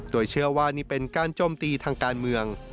โดยเชื่อว่านี่เป็นการโจมตีทางการเมือง